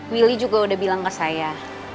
willy juga udah bilang ke saya